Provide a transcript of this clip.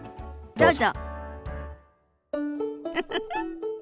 どうぞ。